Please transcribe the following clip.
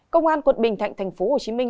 công an quận bình thạnh thành phố hồ chí minh